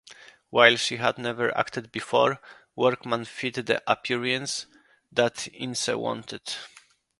While she had never acted before, Workman fit the appearance that Ince wanted.